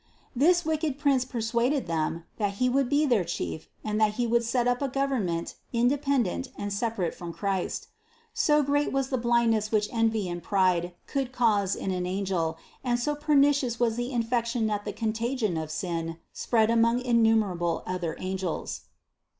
This wicked prince persuaded them, that he would be their chief and that he would set up a government independent and separate from Christ. So great was the blindness which envy and pride could cause in an angel, and so pernicious was the infection that the contagion of sin spread among innumerable other angels.